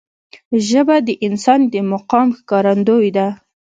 ژبه د انسان د مقام ښکارندوی ده